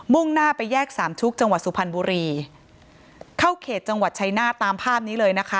่งหน้าไปแยกสามชุกจังหวัดสุพรรณบุรีเข้าเขตจังหวัดชัยนาศตามภาพนี้เลยนะคะ